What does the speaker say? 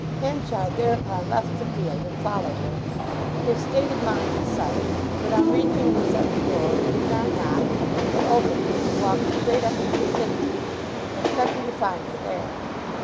Henchard thereupon left the field and followed her. His state of mind was such that on reaching Lucetta's door he did not knock but opened it, and walked straight up to her sitting room, expecting to find her there.